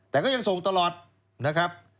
แต่ก็ยังส่งตลอดนะครับ